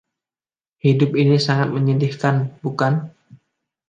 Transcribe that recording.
Hidup ini sangat menyedihkan, bukan?